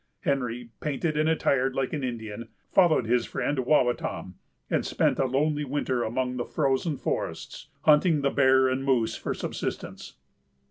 Henry, painted and attired like an Indian, followed his friend Wawatam, and spent a lonely winter among the frozen forests, hunting the bear and moose for subsistence.